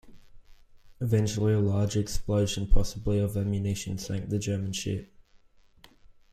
Eventually a large explosion, possibly of ammunition, sank the German ship.